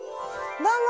どうも！